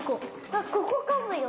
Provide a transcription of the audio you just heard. あっここかもよ。